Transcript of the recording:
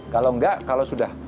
kalau enggak kalau sudah